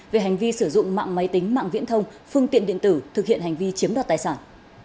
về hành vi sử dụng mạng máy tính mạng viễn thông phương tiện điện tử thực hiện hành vi chiếm đoạt tài sản